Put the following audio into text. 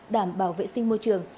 đảm bảo vệ sinh môi trường